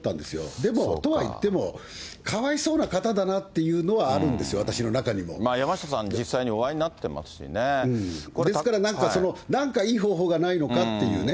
でも、とはいっても、かわいそうな方だなっていうのはあるんですよ、私山下さん、ですから、なんかいい方法がないのかっていうね。